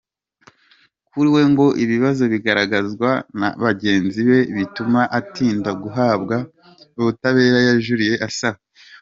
Kuri we ngo ibibazo bigaragazwa na bagenzi be bituma atinda guhabwa ubutabera yajuriye asaba.